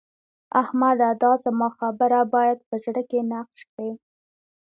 احمده! دا زما خبره بايد په زړه کې نقش کړې.